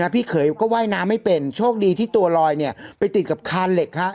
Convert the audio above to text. พี่เขยก็ว่ายน้ำไม่เป็นโชคดีที่ตัวลอยไปติดกับคานเหล็ก